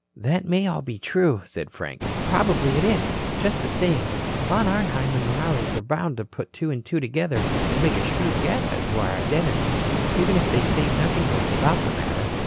"That may all be true," said Frank. "Probably it is. Just the same, Von Arnheim and Morales are bound to put two and two together and make a shrewd guess as to our identities, even if they say nothing to us about the matter.